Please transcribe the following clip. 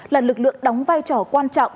là lực lượng đóng vai trò quan trọng